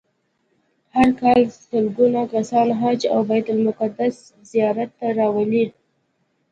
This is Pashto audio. هر کال سلګونه کسان حج او بیت المقدس زیارت ته راولي.